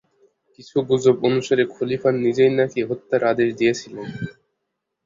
কিছু গুজব অনুসারে খলিফা নিজেই নাকি হত্যার আদেশ দিয়েছিলেন।